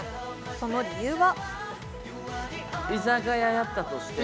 その理由は？